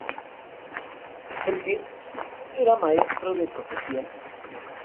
Berge era maestro de profesión.